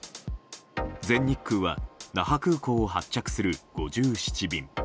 全日空は那覇空港を発着する５７便。